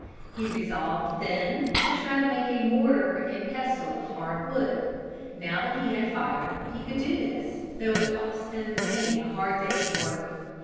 He resolved then to try to make a mortar and pestle of hard wood. Now that he had fire, he could do this, though it cost him many a hard day's work.